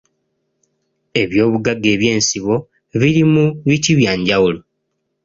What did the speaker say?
Eby'obugagga eby'ensibo biri mu biti bya njawulo